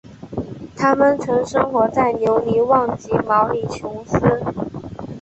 它们曾生活在留尼旺及毛里裘斯。